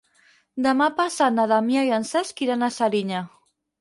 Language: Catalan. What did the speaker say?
Demà passat na Damià i en Cesc iran a Serinyà.